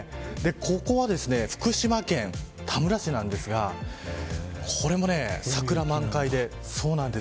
ここは福島県田村市なんですがこれも桜満開で。